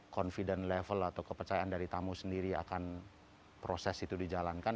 kemampuan kepercayaan dari tamu sendiri akan proses itu dijalankan